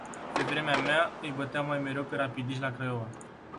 Pe vremea mea, îi băteam mai mereu pe rapidiști la Craiova.